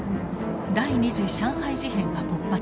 第二次上海事変が勃発します。